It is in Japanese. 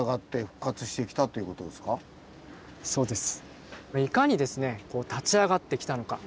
そうです。